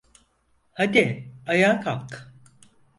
Hadi, ayağa kalk.